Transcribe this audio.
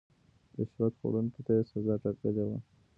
رشوت خوړونکو ته يې سزا ټاکلې وه.